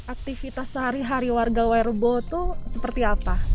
aktivitas sehari hari warga werubo itu seperti apa